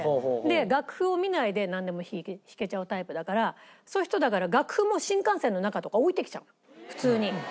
楽譜を見ないでなんでも弾けちゃうタイプだからそういう人だから楽譜も新幹線の中とか置いてきちゃうの普通に。